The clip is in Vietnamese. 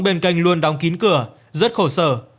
bên kênh luôn đóng kín cửa rất khổ sở